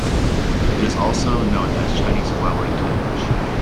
It is also known as Chinese Flowering Cabbage.